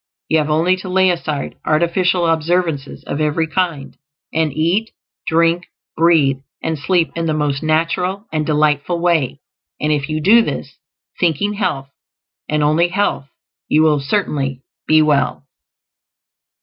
You have only to lay aside artificial observances of every kind, and eat, drink, breathe, and sleep in the most natural and delightful way; and if you do this, thinking health and only health, you will certainly be well.